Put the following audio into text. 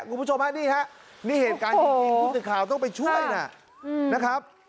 คุณผู้ชมฮะนี่ฮะนี่เหตุการณ์จริงผู้สื่อข่าวต้องไปช่วยนะครับ